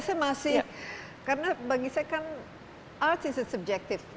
saya masih karena bagi saya kan artis i subjektif